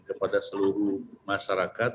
kepada seluruh masyarakat